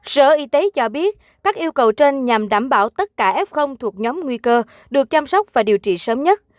sở y tế cho biết các yêu cầu trên nhằm đảm bảo tất cả f thuộc nhóm nguy cơ được chăm sóc và điều trị sớm nhất